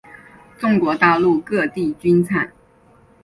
中国大陆各地均产。